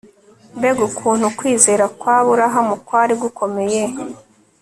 mbega ukuntu ukwizera kwa aburahamu kwari gukomeye